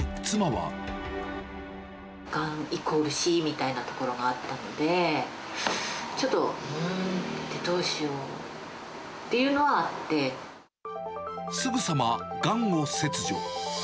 がんイコール死みたいなところがあったので、ちょっと、うーんって、どうしようっていうすぐさまがんを切除。